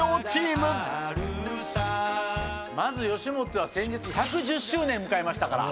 まず吉本は先日１１０周年迎えましたから。